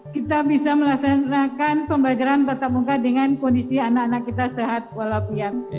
kita bisa melaksanakan pembelajaran tatap muka dengan kondisi anak anak kita sehat walaupun